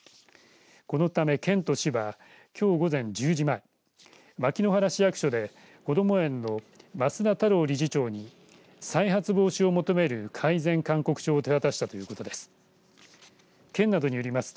このため県と市はきょう午前１０時前牧之原市役所でこども園の増田多朗理事長に再発防止を求める改善勧告書を手渡したということです。